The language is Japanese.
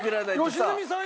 良純さん